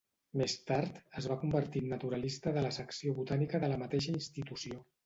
Més tard, es va convertir en naturalista de la Secció Botànica de la mateixa institució.